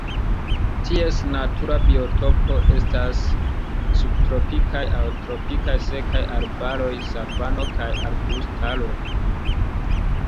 Ties natura biotopo estas subtropikaj aŭ tropikaj sekaj arbaroj, savano kaj arbustaro.